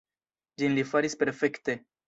Ĝin li faris perfekte.